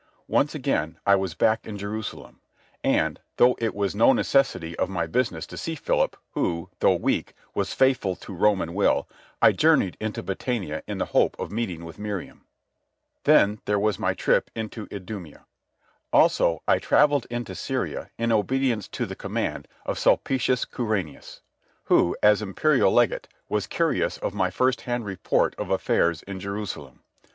Once again I was back in Jerusalem, and, though it was no necessity of my business to see Philip, who, though weak, was faithful to Roman will, I journeyed into Batanæa in the hope of meeting with Miriam. Then there was my trip into Idumæa. Also, I travelled into Syria in obedience to the command of Sulpicius Quirinius, who, as imperial legate, was curious of my first hand report of affairs in Jerusalem.